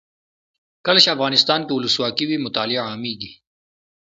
کله چې افغانستان کې ولسواکي وي مطالعه عامیږي.